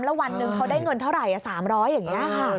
แล้ววันหนึ่งเขาได้เงินเท่าไหร่๓๐๐อย่างนี้ค่ะ